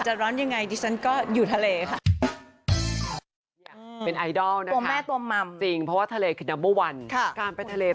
ร้อนยังไงดิฉันก็อยู่ทะเลค่ะ